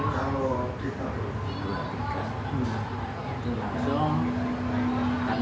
kalau di stadion kanjuruhan